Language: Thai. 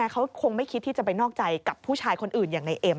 เขาคงไม่คิดที่จะไปนอกใจกับผู้ชายคนอื่นอย่างในเอ็ม